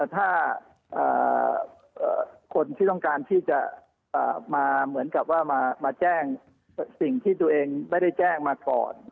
ถ้าคนที่ต้องการที่จะมาเหมือนกับว่ามาแจ้งสิ่งที่ตัวเองไม่ได้แจ้งมาก่อน